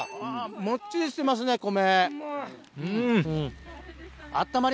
もっちりしてますね米。